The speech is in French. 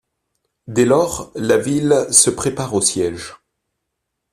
Dès lors la ville se prépare au siège.